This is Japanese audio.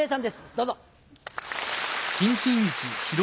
どうぞ。